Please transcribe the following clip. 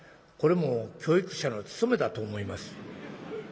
これも教育者の務めだと思います」。